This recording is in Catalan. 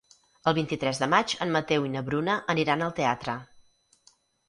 El vint-i-tres de maig en Mateu i na Bruna aniran al teatre.